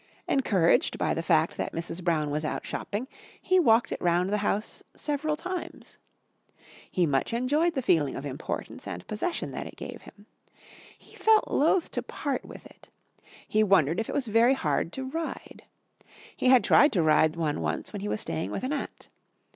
Encouraged by the fact that Mrs. Brown was out shopping, he walked it round the house several times. He much enjoyed the feeling of importance and possession that it gave him. He felt loth to part with it. He wondered if it was very hard to ride. He had tried to ride one once when he was staying with an aunt.